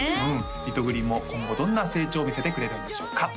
リトグリも今後どんな成長を見せてくれるんでしょうか